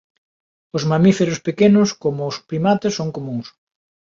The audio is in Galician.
Os mamíferos pequenos como os primates son comúns.